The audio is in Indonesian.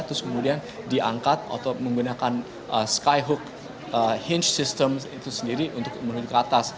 terus kemudian diangkat atau menggunakan skyhook hinge system itu sendiri untuk menuju ke atas